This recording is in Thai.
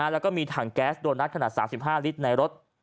แล้วก็มีถังแก๊สโดนัทขนาด๓๕ลิตรในรถ